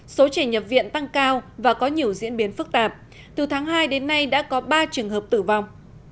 số trẻ nhập viện tăng cao và có nhiều diễn biến phức tạp từ tháng hai đến nay đã có ba trường hợp tử vong